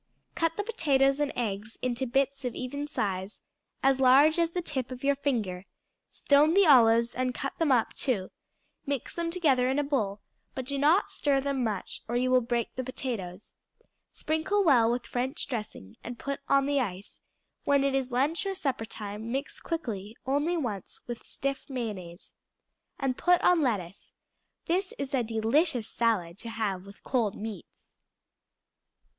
Cut the potatoes and eggs into bits of even size, as large as the tip of your finger; stone the olives and cut them up, too; mix them together in a bowl, but do not stir them much, or you will break the potatoes; sprinkle well with French dressing, and put on the ice; when it is lunch or supper time, mix quickly, only once, with stiff mayonnaise, and put on lettuce; this is a delicious salad to have with cold meats.